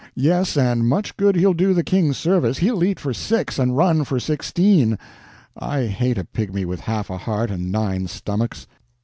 Yes, and much good he'll do the King's service; he'll eat for six and run for sixteen. I hate a pygmy with half a heart and nine stomachs!"